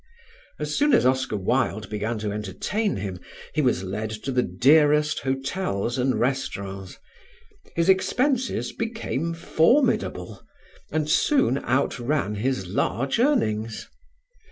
As soon as Oscar Wilde began to entertain him, he was led to the dearest hotels and restaurants; his expenses became formidable and soon outran his large earnings.